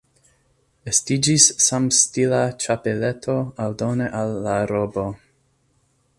Estiĝis samstila ĉapeleto aldone al la robo.